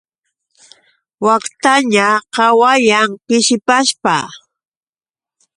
Waktaña qawayan, pishipashqa.